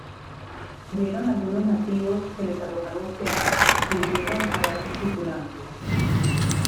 Vieron algunos nativos, que les arrojaron flechas, que hirieron a varios tripulantes.